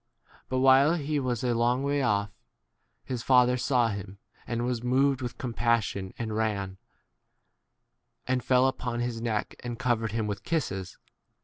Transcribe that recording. But while he was a long way off, his father saw him, and was moved with compassion, and ran, and fell upon his neck, and 21 covered him with kisses.